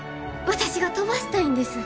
私が飛ばしたいんです。